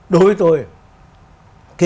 đối với tôi